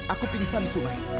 aku pingsan di sungai